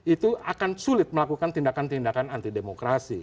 itu akan sulit melakukan tindakan tindakan anti demokrasi